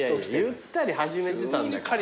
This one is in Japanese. ゆったり始めてたんだから。